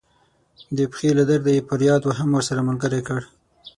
د پښې له درده یې فریاد هم ورسره ملګری کړ.